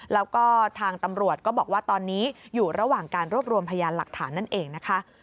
แล้วก็ทางตำรวจก็บอกว่าตอนนี้อยู่ระหว่างการรวบรวมพยานหลักฐานนั่นเองนะคะ